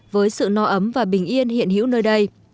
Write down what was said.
với sự no ấm và bình yên hiện hữu nơi đây